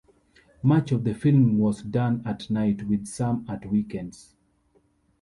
Much of the filming was done at night, with some at weekends.